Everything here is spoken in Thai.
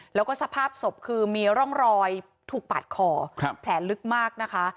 แล้วก็สภาพศพคือมีร่องรอยถูกปาดคอแผลลึกมากนะคะ